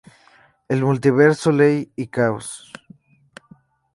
El multiverso, Ley y Caos.